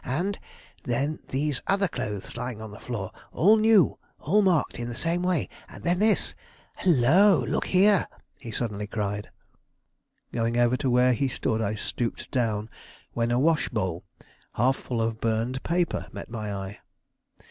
And then these other clothes lying on the floor, all new, all marked in the same way. Then this Halloo! look here!" he suddenly cried. Going over to where he stood I stooped down, when a wash bowl half full of burned paper met my eye.